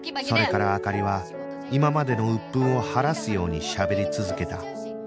それから灯は今までの鬱憤を晴らすようにしゃべり続けた